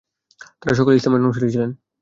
তারা সকলেই ইসলামের অনুসারী ছিলেন।